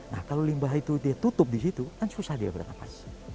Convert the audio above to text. nah kalau limbah itu dia tutup di situ kan susah dia bernafas